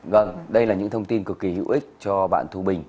vâng đây là những thông tin cực kỳ hữu ích cho bạn thu bình